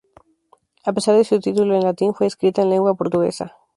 A pesar de su título en latín, fue escrita en lengua portuguesa.